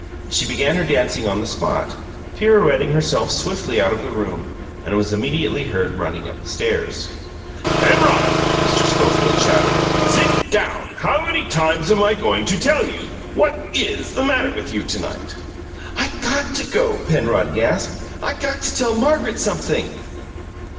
And she began her dancing on the spot, pirouetting herself swiftly out of the room, and was immediately heard running up the stairs. "Penrod!" Mr. Schofield shouted. "Sit down! How many times am I going to tell you? What IS the matter with you to night?" "I GOT to go," Penrod gasped. "I got to tell Margaret sumpthing."